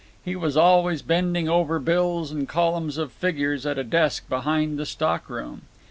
He was always bending over bills and columns of figures at a desk behind the stock room.